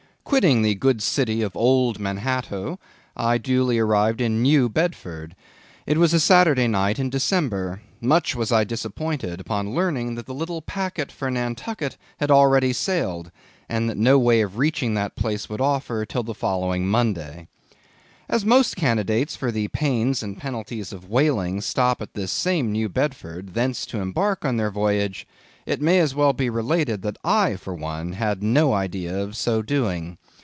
Quitting the good city of old Manhatto, I duly arrived in New Bedford. It was a Saturday night in December. Much was I disappointed upon learning that the little packet for Nantucket had already sailed, and that no way of reaching that place would offer, till the following Monday. As most young candidates for the pains and penalties of whaling stop at this same New Bedford, thence to embark on their voyage, it may as well be related that I, for one, had no idea of so doing.